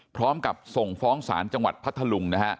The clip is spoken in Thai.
พร้อมกับส่งฟ้องศาลจังหวัดพัทธลุงนะฮะ